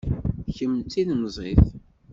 Kemm d tilemẓit.